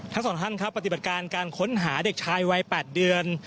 ทั้งสองท่านครับปฏิบัติการการค้นหาเด็กชายวัย๘เดือน